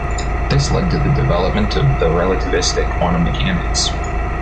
This led to the development of the relativistic quantum mechanics.